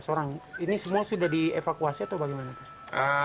sebelas orang ini semua sudah dievakuasi atau bagaimana